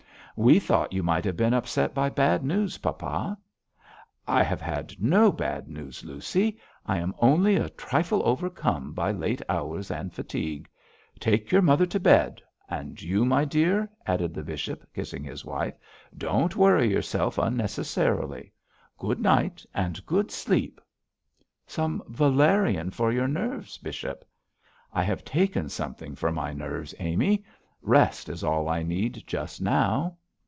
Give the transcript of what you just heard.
'We thought you might have been upset by bad news, papa.' 'I have had no bad news, Lucy. I am only a trifle overcome by late hours and fatigue. Take your mother to bed; and you, my dear,' added the bishop, kissing his wife, 'don't worry yourself unnecessarily. Good night, and good sleep.' 'Some valerian for your nerves, bishop ' 'I have taken something for my nerves, Amy. Rest is all I need just now.'